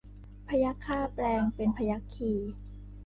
พยัคฆาแปลงเป็นพยัคฆี